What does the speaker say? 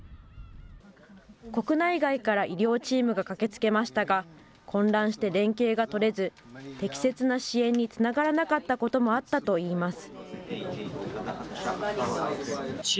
国内外から医療チームが駆けつけましたが、混乱して連携が取れず、適切な支援につながらなかったこともあったといいます。